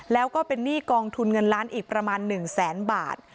แล้วก็เป็นหนี้กองทุนเงินล้านอีกประมาณ๑แสนบาท